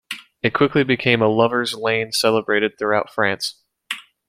It quickly became a lover's lane celebrated throughout France.